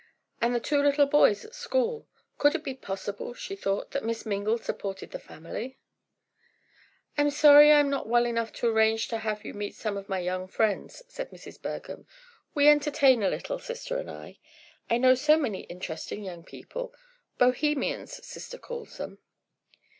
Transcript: And the two little boys at school! Could it be possible, she thought, that Miss Mingle supported the family? "I'm sorry I am not well enough to arrange to have you meet some of my young friends," said Mrs. Bergham. "We entertain a little, sister and I. I know so many interesting young people. Bohemians, sister calls them!"